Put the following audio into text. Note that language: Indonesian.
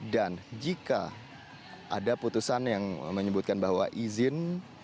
dan jika ada putusan yang menyebutkan bahwa izin